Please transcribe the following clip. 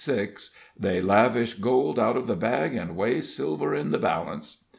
6: "They lavish gold out of the bag and weigh silver in the balance."